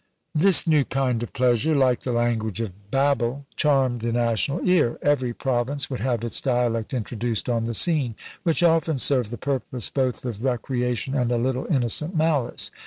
This new kind of pleasure, like the language of Babel, charmed the national ear; every province would have its dialect introduced on the scene, which often served the purpose both of recreation and a little innocent malice.